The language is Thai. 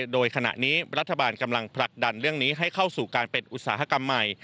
โดยขณะนี้รัฐบาลกำลังผลักดันเรื่องนี้ให้เข้าสู่การเป็นอุตสาหกรรมใหม่